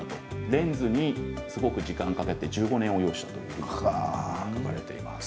レンズをすごく時間をかけて１５年を要したと書いてあります。